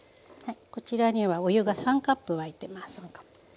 こちらにはお湯が３カップ沸いてます。